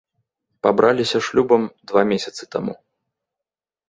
Пабраліся шлюбам два месяцы таму.